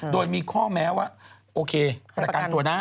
โดยมีข้อแม้ว่าโอเคประกันตัวได้